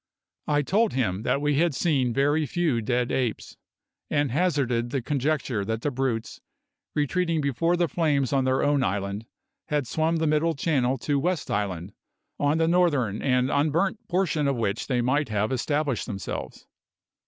I told him that we had seen very few dead apes, and hazarded the conjecture that the brutes, retreating before the flames on their own island, had swum the Middle Channel to West Island, on the northern and unburnt portion of which they might have established themselves.